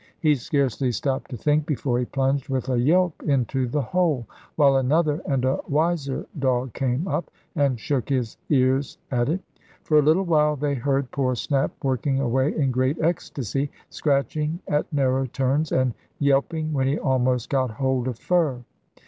He scarcely stopped to think before he plunged with a yelp into the hole, while another and a wiser dog came up, and shook his ears at it. For a little while they heard poor Snap working away in great ecstasy, scratching at narrow turns, and yelping when he almost got hold of fur.